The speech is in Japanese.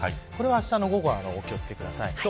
あしたの午後はお気を付けください。